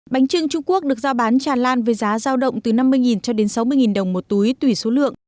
bánh trưng trung quốc được giao bán tràn lan với giá giao động từ năm mươi cho đến sáu mươi đồng một túi tùy số lượng